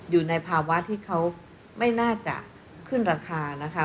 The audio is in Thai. อยู่ในภาวะที่เขาไม่น่าจะขึ้นราคานะคะ